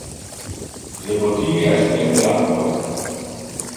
Le bottilia es plen de aqua.